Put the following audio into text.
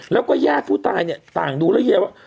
แล้วก็แยกผู้ตายเนี่ยต่างดูแล้วเยี่ยมว่า